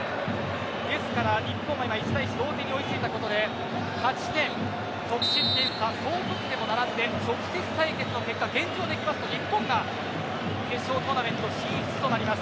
ですから日本が１対１同点に追い付いたことで勝ち点、得失点差でも並んで直接対決の結果、返上できると日本が決勝トーナメント進出となります。